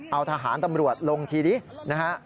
เอาทหารตำรวจลงทีนี้นะฮะ